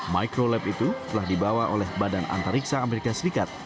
microlab itu telah dibawa oleh badan antariksa amerika serikat